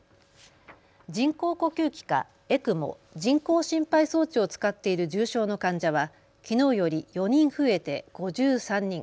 人工呼吸器かＥＣＭＯ・人工心肺装置を使っている重症の患者はきのうより４人増えて５３人。